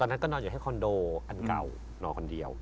นอนอยู่ในคอนโดอันเก่านอนคนเดียว